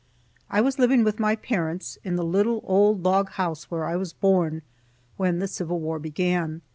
I was living with my parents, in the little old log house where I was born, when the Civil war began.